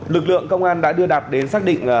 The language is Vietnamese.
lực lượng công an đã đưa đạt đến xác định